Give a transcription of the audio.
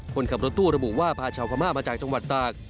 คนขับรถตู้ระบุว่าพาชาวพม่ามาจากจังหวัดตาก